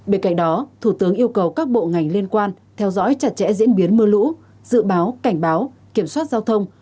bên cạnh đó thủ tướng yêu cầu các bộ ngành liên quan theo dõi chặt chẽ diễn biến mưa lũ dự báo cảnh báo kiểm soát giao thông